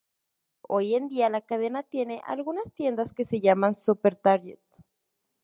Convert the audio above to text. Hoy en día, la cadena tiene algunas tiendas que se llaman "Super Target".